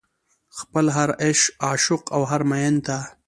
خپل هر عاشق او هر مين ته